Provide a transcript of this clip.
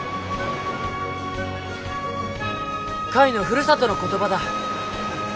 カイのふるさとの言葉だ。